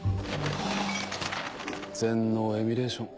「全脳エミュレーション」。